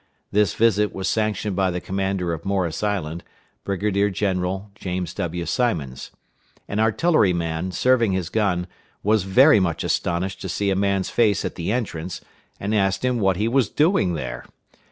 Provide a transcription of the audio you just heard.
This visit was sanctioned by the commander of Morris Island, Brigadier general James W. Simons. An artillery man, serving his gun, was very much astonished to see a man's face at the entrance, and asked him what he was doing there.